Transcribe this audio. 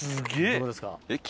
どうですか？